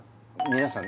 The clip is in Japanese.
皆さん